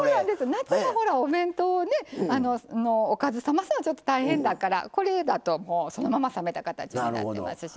夏場、お弁当、おかず冷ますのちょっと大変だからこれだとそのまま冷めた形になっています。